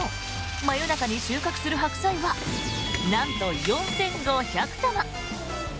真夜中に収穫するハクサイはなんと、４５００玉！